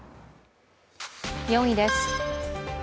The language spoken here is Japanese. ４位です。